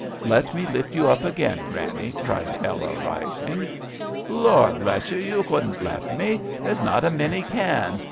"Let me lift you up again. Granny," cried Ella, rising, " Lord bless you — ^you couldn't left me ! There's not a many can.